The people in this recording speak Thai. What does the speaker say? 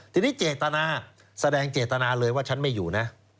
ทีนี้เจตนาแสดงเจตนาเลยว่าฉันไม่อยู่นะ